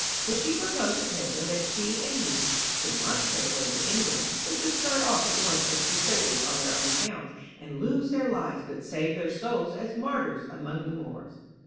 So she proposed to Pedro that she and he should not say a word to any one, but just start off at once as crusaders on their own accounts, and lose their lives but save their souls as martyrs among the Moors.